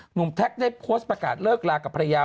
แท็กได้โพสต์ประกาศเลิกลากับภรรยา